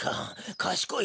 かしこい